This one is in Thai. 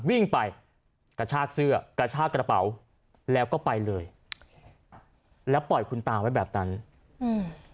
วิ่งไปกระชากเสื้อกระชากระเป๋าแล้วก็ไปเลยแล้วปล่อยคุณตาไว้แบบนั้นอืม